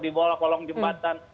di bawah kolong jembatan